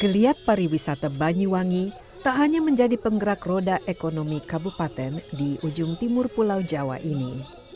geliat pariwisata banyuwangi tak hanya menjadi penggerak roda ekonomi kabupaten di ujung timur pulau jawa ini